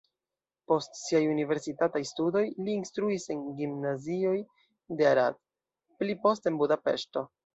Post siaj universitataj studoj li instruis en gimnazioj de Arad, pli poste en Budapeŝto.